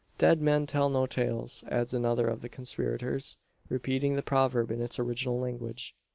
"Dead men tell no tales!" adds another of the conspirators, repeating the proverb in its original language.